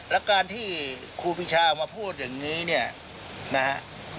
แล้วการที่ครูปีชาออกมาพูดอย่างนี้เนี่ยนะฮะ